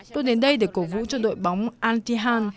tôi đến đây để cố vũ cho đội bóng al tihang